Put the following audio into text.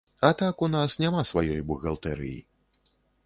А так у нас няма сваёй бухгалтэрыі.